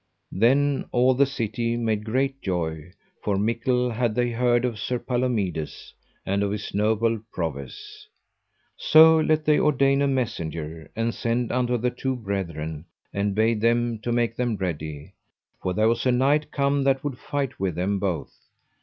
Then all the city made great joy, for mickle had they heard of Sir Palomides, and of his noble prowess. So let they ordain a messenger, and sent unto the two brethren, and bade them to make them ready, for there was a knight come that would fight with them both.